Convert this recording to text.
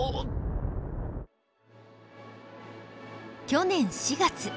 去年４月。